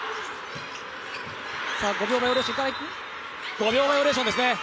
５秒バイオレーションですね。